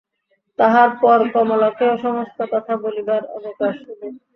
তাহার পরে কমলাকেও সমস্ত কথা বলিবার অবকাশ হইবে।